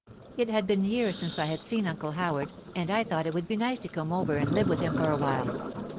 It had been years since I had seen Uncle Howard, and I thought it would be nice to come over and live with him for a while.